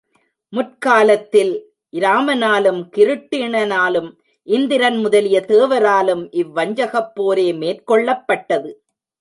முற்காலத்தில் இராமனாலும் கிருட்டிணனாலும் இந்திரன் முதலிய தேவராலும் இவ்வஞ்சகப் போரே மேற்கொள்ளப்பட்டது.